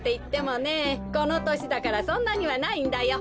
このとしだからそんなにはないんだよ。